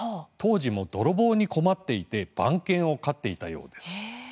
当時も泥棒に困っていて番犬を飼っていたようです。